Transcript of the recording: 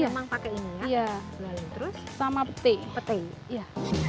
berlalu terus sama petai petai ya